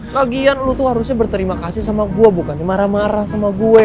kak gian lo tuh harusnya berterima kasih sama gua bukan marah marah sama gue